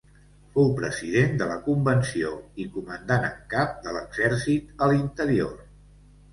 Fou president de la Convenció i comandant en cap de l'exèrcit a l'interior.